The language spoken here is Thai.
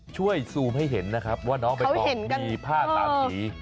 ซูมให้เห็นนะครับว่าน้องใบตองมีผ้าสามสี